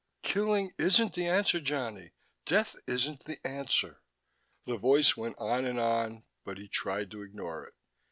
Killing isn't the answer, Johnny, death isn't the answer...." The voice went on and on, but he tried to ignore it.